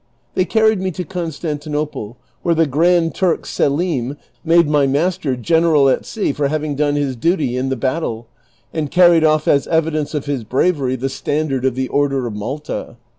They carried me to Constantinople, where the Grand Turk, Selim, made my master general at sea for having done his duty in the bat tle and carri(!d otf as evidence of his bravery the standard of the Order of Malta.